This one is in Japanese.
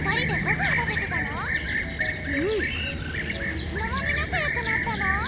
いつの間になかよくなったの？